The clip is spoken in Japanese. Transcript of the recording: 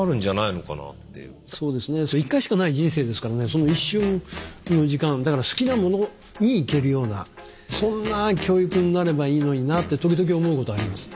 その一瞬の時間だから好きなものにいけるようなそんな教育になればいいのになって時々思うことあります。